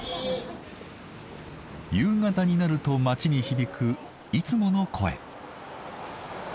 夕方になると街に響くいつもの声。